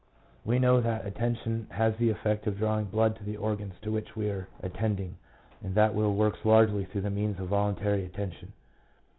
123 know that attention has the effect of drawing blood to the organs to which we are attending, and that the will works largely through the means of voluntary attention.